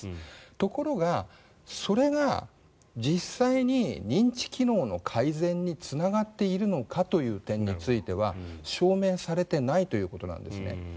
ところが、それが実際に認知機能の改善につながっているのかという点については証明されていないということなんですね。